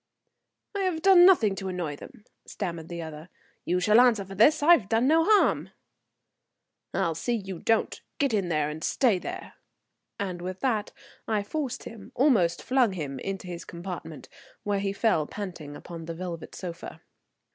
"I have done nothing to annoy them," stammered the other. "You shall answer for this. I've done no harm." "I'll see you don't. Get in there and stay there;" and with that I forced him, almost flung him, into his compartment, where he fell panting upon the velvet sofa.